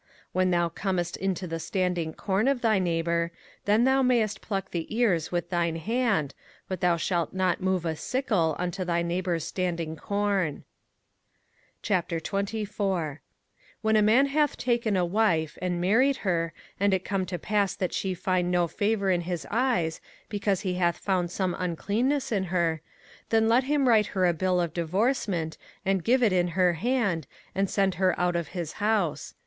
05:023:025 When thou comest into the standing corn of thy neighbour, then thou mayest pluck the ears with thine hand; but thou shalt not move a sickle unto thy neighbour's standing corn. 05:024:001 When a man hath taken a wife, and married her, and it come to pass that she find no favour in his eyes, because he hath found some uncleanness in her: then let him write her a bill of divorcement, and give it in her hand, and send her out of his house.